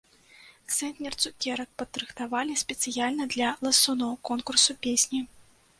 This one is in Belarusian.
Цэнтнер цукерак падрыхтавалі спецыяльна для ласуноў конкурсу песні.